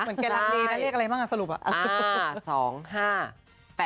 เหมือนแกรกดีหลายเลขอะไรบ้างสรุป